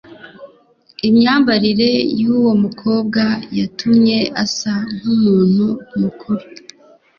Imyambarire yuwo mukobwa yatumye asa nkumuntu mukuru.